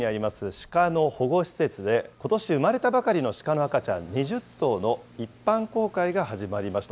シカの保護施設で、ことし生まれたばかりのシカの赤ちゃん２０頭の一般公開が始まりました。